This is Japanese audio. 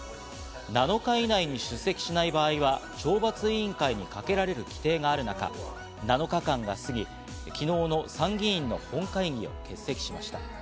７日以内に出席しない場合は懲罰委員会にかけられる規定がある中、７日間が過ぎ昨日の参議院の本会議を欠席しました。